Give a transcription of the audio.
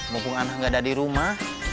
mumpung anak nggak ada di rumah